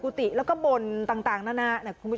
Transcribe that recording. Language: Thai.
พูดสิทธิ์ข่าวบอกว่าพระต่อว่าชาวบ้านที่มายืนล้อมอยู่แบบนี้ค่ะ